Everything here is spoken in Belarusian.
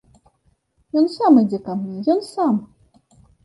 Ён сам ідзе ка мне, ён сам!